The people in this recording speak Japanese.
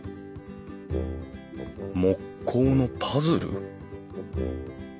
木工のパズル？